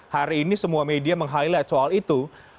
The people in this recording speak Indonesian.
hari ini semua media meng highlight soal itu